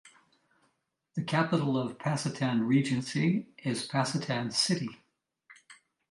The capital of Pacitan Regency is Pacitan city.